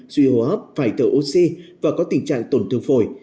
suy hô hấp phải thở oxy và có tình trạng tổn thương phổi